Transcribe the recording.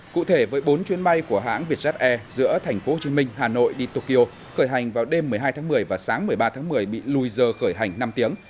cụ thể với bốn chuyến bay của hãng vietjet air giữa thành phố hồ chí minh hà nội đi tokyo khởi hành vào đêm một mươi hai tháng một mươi và sáng một mươi ba tháng một mươi bị lùi giờ khởi hành năm tiếng